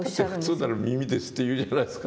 普通なら「耳です」って言うじゃないですか。